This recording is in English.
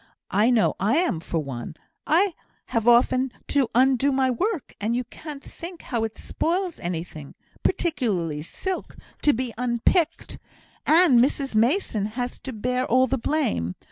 I know I am for one. I have often to undo my work, and you can't think how it spoils anything (particularly silk) to be unpicked; and Mrs Mason has to bear all the blame.